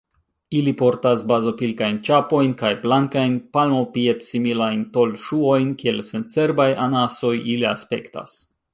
Ili portas bazopilkajn ĉapojn kaj blankajn palmopied-similajn tolŝuojn: kiel sencerbaj anasoj ili aspektas.